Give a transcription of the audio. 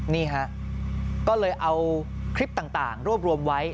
นี่ฮะก็เลยเอาคลิปต่างรวบรวมไว้